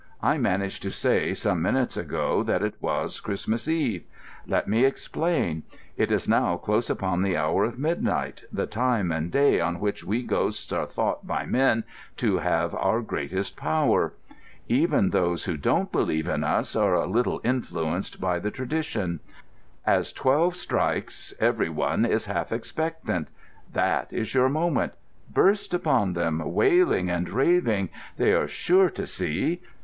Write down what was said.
I managed to say, some minutes ago, that it was Christmas Eve. Let me explain. It is now close upon the hour of midnight—the time and day on which we ghosts are thought by men to have our greatest power. Even those who don't believe in us are a little influenced by the tradition. As twelve strikes every one is half expectant. That is your moment. Burst upon them, wailing and raving. They are sure to see.